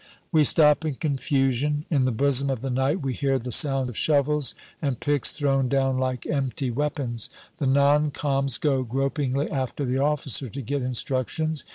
We stop in confusion. In the bosom of the night we hear the sound of shovels and picks thrown down like empty weapons. The non coms. go gropingly after the officer to get instructions.